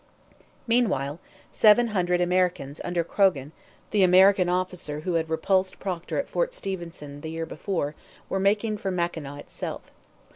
Meanwhile seven hundred Americans under Croghan, the American officer who had repulsed Procter at Fort Stephenson the year before, were making for Mackinaw itself.